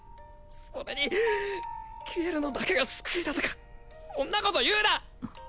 それにっ消えるのだけが救いだとかそんなこと言うな！